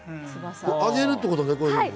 上げるってことね。